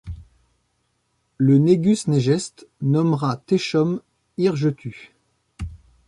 Le Negusse Negest nommera Techome Irgetu.